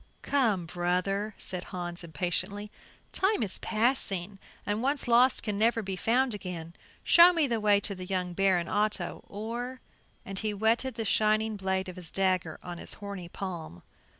"Come, brother!" said Hans, impatiently, "time is passing, and once lost can never be found again. Show me the way to the young Baron Otto or ." And he whetted the shining blade of his dagger on his horny palm.